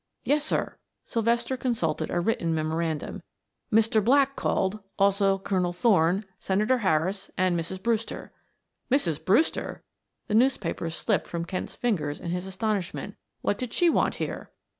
"Yes, sir." Sylvester consulted a written memorandum. "Mr. Black called, also Colonel Thorne, Senator Harris, and Mrs. Brewster." "Mrs. Brewster!" The newspaper slipped from Kent's fingers in his astonishment. "What did she want here?"